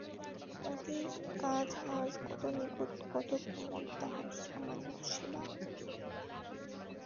মতির কাজ আজ কত নিখুঁত, কত কোমল তাহার সামান্য সেবা।